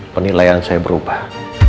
penilaian saya berubah